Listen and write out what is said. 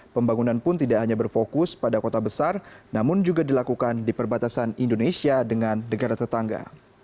pembangunan pun tidak hanya berfokus pada kota besar namun juga dilakukan di perbatasan indonesia dengan negara tetangga